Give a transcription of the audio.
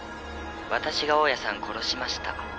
「私が大家さん殺しました。